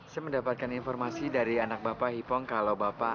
saya mendapatkan informasi dari anak bapak hipong kalau bapak